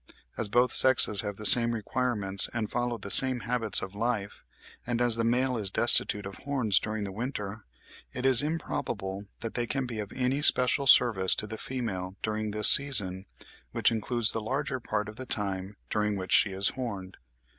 As both sexes have the same requirements and follow the same habits of life, and as the male is destitute of horns during the winter, it is improbable that they can be of any special service to the female during this season, which includes the larger part of the time during which she is horned.